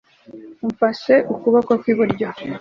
umfashe ukuboko kw'iburyo